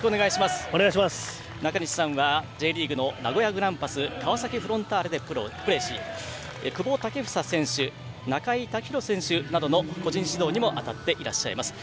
中西さんはＪリーグの名古屋グランパス川崎フロンターレでプレーし、久保選手などの個人指導にも当たっていらっしゃいます。